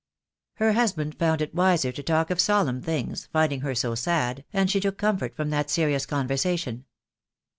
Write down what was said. Her husband found it wiser to talk of solemn things, finding her so sad, and she took comfort from that serious conversation.